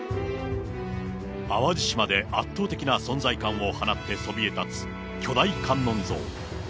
淡路島で圧倒的な存在感を放ってそびえ立つ、巨大観音像。